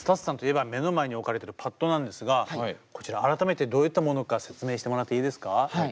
ＳＴＵＴＳさんといえば目の前に置かれてるパッドなんですがこちら改めてどういったものか説明してもらっていいですか？